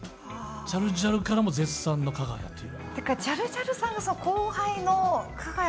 ジャルジャルからも絶賛のかが屋という。